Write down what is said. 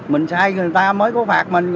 mình sai người ta mới có phạt mình